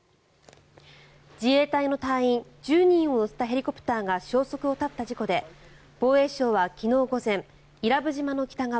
自衛隊の隊員１０人を乗せたヘリコプターが消息を絶った事故で防衛省は昨日午前伊良部島の北側